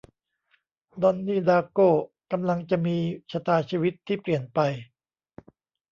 ดอนนี่ ดาร์โก้ กำลังจะมีชะตาชีวิตที่เปลี่ยนไป